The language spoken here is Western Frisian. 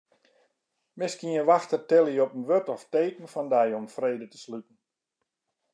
Miskien wachtet Tilly op in wurd of teken fan dy om frede te sluten.